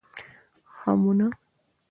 خمونه